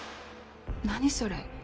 何それ？